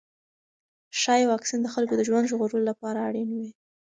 ښايي واکسین د خلکو د ژوند ژغورلو لپاره اړین وي.